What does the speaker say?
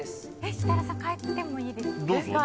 設楽さん変えてもいいですか？